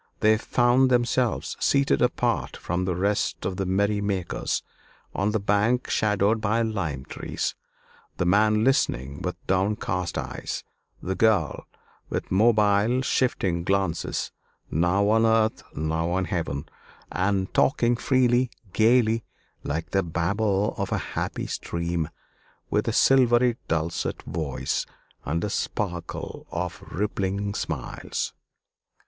They found themselves seated apart from the rest of the merry makers, on the bank shadowed by lime trees; the man listening with downcast eyes, the girl with mobile shifting glances, now on earth, now on heaven, and talking freely, gayly like the babble of a happy stream, with a silvery dulcet voice and a sparkle of rippling smiles.